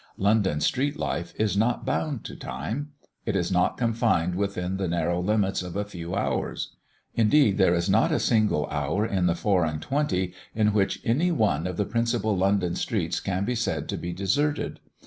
London street life is not bound to time; it is not confined within the narrow limits of a few hours. Indeed there is not a single hour in the four and twenty, in which any one of the principal London streets can be said to be deserted.